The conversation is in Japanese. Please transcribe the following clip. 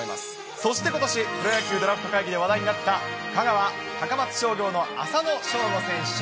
そしてことし、プロ野球ドラフト会議で話題になった香川・高松商業の浅野翔吾選手。